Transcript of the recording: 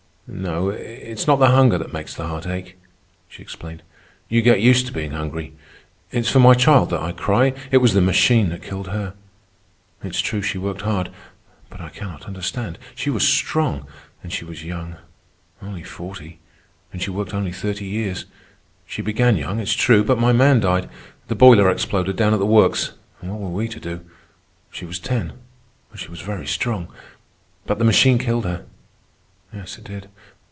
"No, it is not the hunger that makes the heart ache," she explained. "You get used to being hungry. It is for my child that I cry. It was the machine that killed her. It is true she worked hard, but I cannot understand. She was strong. And she was young—only forty; and she worked only thirty years. She began young, it is true; but my man died. The boiler exploded down at the works. And what were we to do? She was ten, but she was very strong. But the machine killed her. Yes, it did.